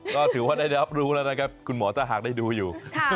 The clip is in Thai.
ก็ถือว่าได้รับรู้แล้วนะครับคุณหมอถ้าหากได้ดูอยู่